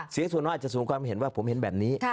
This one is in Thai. เสียงส่วนนอกก็เห็นว่าผมเห็นแบบนี้